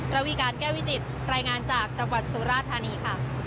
ระวีการแก้วิจิตรายงานจากจังหวัดสุราธานีค่ะ